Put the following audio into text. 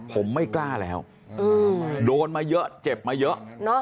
ผมไม่กล้าแล้วโดนมาเยอะเจ็บมาเยอะ